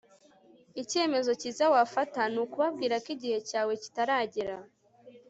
ikemezo kiza wafata ni ukubabwira ko igihe cyawe kitaragera